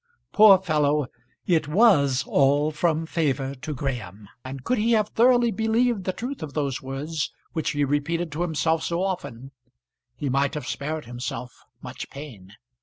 Poor fellow! It was all from favour to Graham. And could he have thoroughly believed the truth of those words which he repeated to himself so often, he might have spared himself much pain.